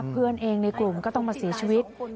เพื่อนเองในกลุ่มก็ต้องมาเสียชีวิต